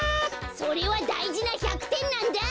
それはだいじな１００てんなんだ！